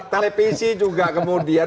televisi juga kemudian